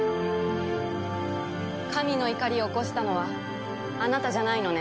神の怒りを起こしたのはあなたじゃないのね？